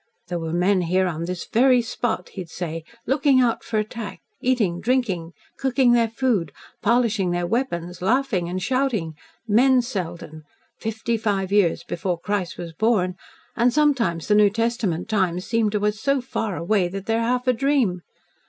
'There were men here on this very spot,' he'd say, 'looking out for attack, eating, drinking, cooking their food, polishing their weapons, laughing, and shouting MEN Selden, fifty five years before Christ was born and sometimes the New Testament times seem to us so far away that they are half a dream.'